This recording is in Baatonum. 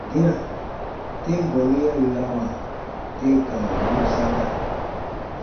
Gina, tem bɔnu ya yɔ̃rawa tem kãa bɔnun saka.